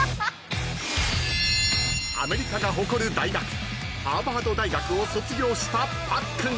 ［アメリカが誇る大学ハーバード大学を卒業したパックン］